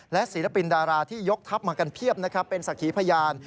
และศิลปินดาราที่ยกทัพมากันเพียบนะครับเป็นสักขีพยาน